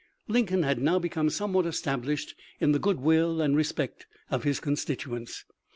Lincoln had now become somewhat established in the good will and respect of his constituents.